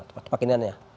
tepak tepak ini aja